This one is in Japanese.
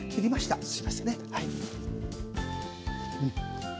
すいませんね。